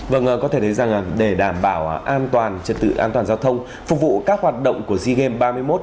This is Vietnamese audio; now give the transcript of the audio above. vâng có thể thấy rằng để đảm bảo an toàn trật tự an toàn giao thông phục vụ các hoạt động của sea games ba mươi một